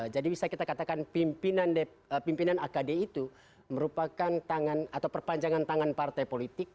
jadi bisa kita katakan pimpinan akd itu merupakan tangan atau perpanjangan tangan partai politik